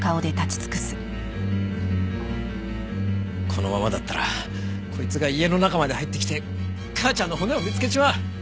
このままだったらこいつが家の中まで入ってきて母ちゃんの骨を見つけちまう。